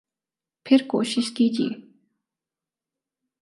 پھر کوشش کیجئے